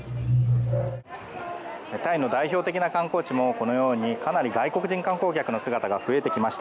タイの代表的な観光地もこのようにかなり外国人観光客の姿が増えてきました。